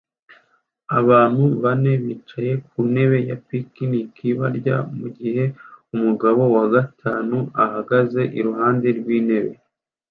Abantu bane bicaye ku ntebe ya picnic barya mu gihe umugabo wa gatanu ahagaze iruhande rw'intebe